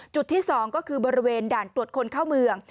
จุดที่๒ก็คือบริเวณด่านตรวจคนเข้าเมือง